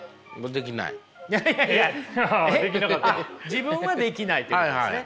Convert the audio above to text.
自分はできないということですね。